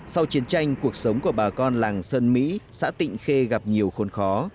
sau chiến tranh cuộc sống của bà con làng sơn mỹ xã tịnh khê gặp nhiều khốn khó